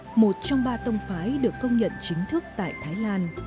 chùa phổ phước tên tiếng thái là một trong ba tông phái được công nhận chính thức tại thái lan